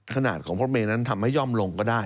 ขนาดของรถเมย์นั้นทำให้ย่อมลงก็ได้